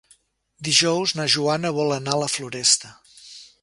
Dijous na Joana vol anar a la Floresta.